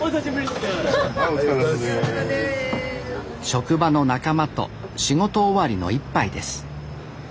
職場の仲間と仕事終わりの１杯です